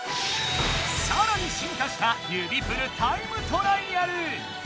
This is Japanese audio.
さらに進化した指プルタイムトライアル！